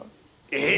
えっ？